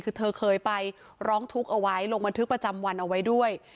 คือเธอเคยไปร้องทุกข์เอาไว้ลงบันทึกประจำวันเอาไว้ด้วย